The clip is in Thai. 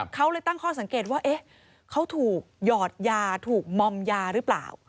เขาเลยตั้งข้อสังเกตว่าเขาถูกหยอดยาถูกมอมยาหรือเปล่า